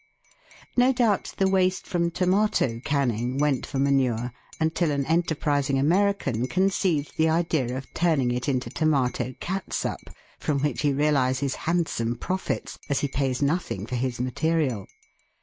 No doubt the waste from tomato canning went for manure until an enterprising American conceived the idea of turning it into tomato catsup, from which he realises handsome profits, as he pays nothing for his material.